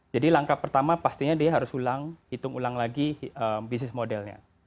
jadi langkah pertama pastinya dia harus ulang hitung ulang lagi bisnis modelnya